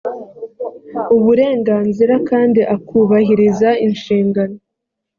uburenganzira kandi akubahiriza inshingano